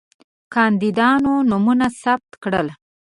کاندیدانو نومونه ثبت کړل.